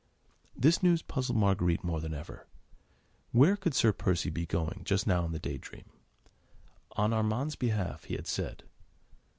This news puzzled Marguerite more than ever. Where could Sir Percy be going just now in the Day Dream? On Armand's behalf, he had said.